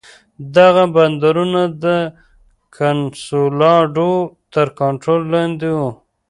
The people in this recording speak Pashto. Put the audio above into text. دغه بندرونه د کنسولاډو تر کنټرول لاندې وو.